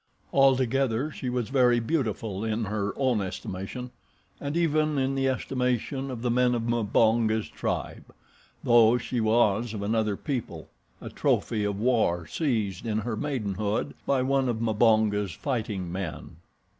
Altogether she was very beautiful in her own estimation and even in the estimation of the men of Mbonga's tribe, though she was of another people a trophy of war seized in her maidenhood by one of Mbonga's fighting men.